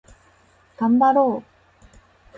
がんばろう